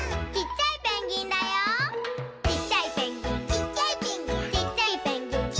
「ちっちゃいペンギン」